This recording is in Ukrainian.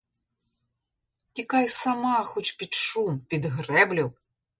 Тікай сама хоч під шум, під греблю!